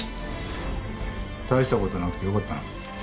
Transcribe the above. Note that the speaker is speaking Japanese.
大した事なくてよかったな。